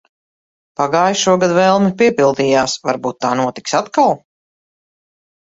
Pagājušogad vēlme piepildījās. Varbūt tā notiks atkal.